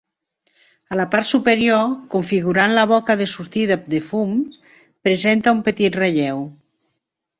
A la part superior, configurant la boca de sortida de fums, presenta un petit relleu.